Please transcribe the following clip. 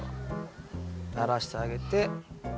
ならしてあげて。